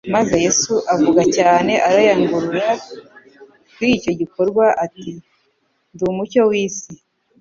maze Yesu avuga cyane arengurira kuri icyo gikorwa ati : "Ndi umucyo w'isi"